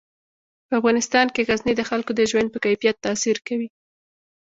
په افغانستان کې غزني د خلکو د ژوند په کیفیت تاثیر کوي.